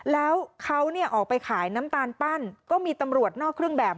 แล้วเขาเนี่ยออกไปขายน้ำตาลปั้นก็มีตำรวจนอกเครื่องแบบ